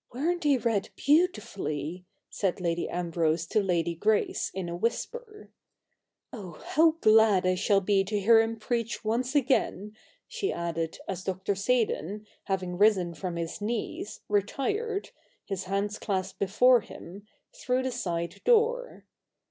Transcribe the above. ' Weren't they read beautifully I ' said Lady Ambrose to Lady Grace in a whisper. ' Oh, how glad I shall be to hear him preach once again !' she added, as Dr. Seydon, having risen from his knees, retired, his hands clasped before him, through the side door.